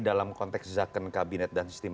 dalam konteks zakon kabinet dan sistem